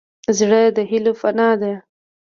زړه د هيلو پناه ده.